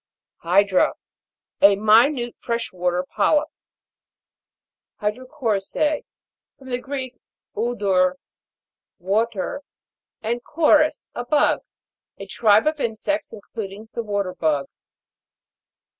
HY'DRA. A minute fresh water polyp. HY'DROCO'RIS^;. From the Greek, Wor, water, and koris, a bug. A tribe of insects, including the water bug.